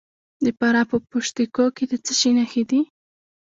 د فراه په پشت کوه کې د څه شي نښې دي؟